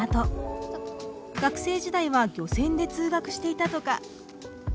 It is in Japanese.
学生時代は漁船で通学していたとか。